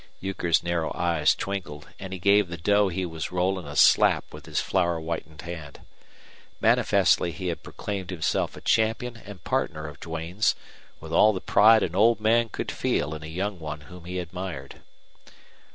Euchre's narrow eyes twinkled, and he gave the dough he was rolling a slap with his flour whitened hand. Manifestly he had proclaimed himself a champion and partner of Duane's, with all the pride an old man could feel in a young one whom he admired.